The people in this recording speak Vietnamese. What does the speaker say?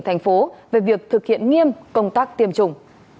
thành phố về việc thực hiện nghiêm công tác tiêm chủng